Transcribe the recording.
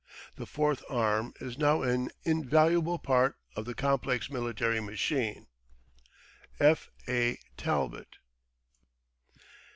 The Fourth Arm is now an invaluable part of the complex military machine. F. A. TALBOT.